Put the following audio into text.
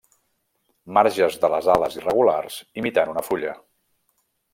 Marges de les ales irregulars, imitant una fulla.